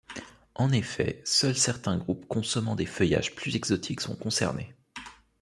En effet, seuls certains groupes consommant des feuillages plus exotiques sont concernés.